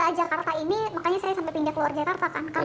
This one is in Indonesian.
karena dia sejak jakarta ini makanya saya sampai pindah keluar jakarta kan